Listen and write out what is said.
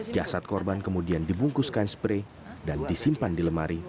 jasad korban kemudian dibungkuskan spray dan disimpan di lemari